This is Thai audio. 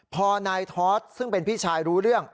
พอนายทอสซึ่งเป็นพี่ชายรู้เรื่อง